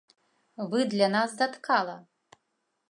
Вы для нас заткала!